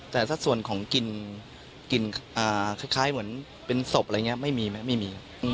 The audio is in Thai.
แต่สักส่วนของกินคล้ายเหมือนเป็นศพอะไรอย่างนี้ไม่มีไหมไม่มี